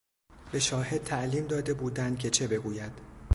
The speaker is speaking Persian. به شاهد تعلیم داده بودند که چه بگوید.